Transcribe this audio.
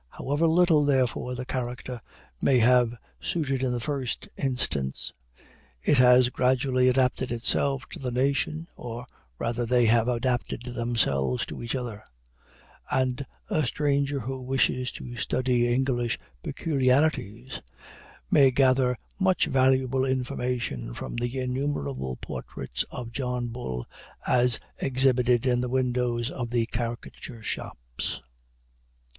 However little, therefore, the character may have suited in the first instance, it has gradually adapted itself to the nation, or rather they have adapted themselves to each other; and a stranger who wishes to study English peculiarities, may gather much valuable information from the innumerable portraits of John Bull, as exhibited in the windows of the caricature shops.